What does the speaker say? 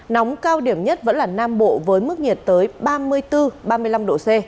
nóng cao điểm nhất vẫn là nam bộ với mức nhiệt tới ba mươi bốn ba mươi năm độ c